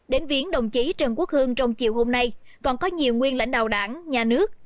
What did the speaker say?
đến viến đồng chí trần quốc hương trong chiều hôm nay còn có nhiều nguyên lãnh đạo đảng nhà nước